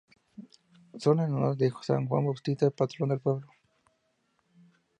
Son en honor de San Juan Bautista, patrón del pueblo.